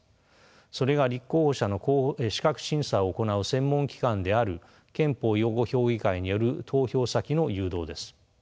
それが立候補者の資格審査を行う専門機関である憲法擁護評議会による投票先の誘導です。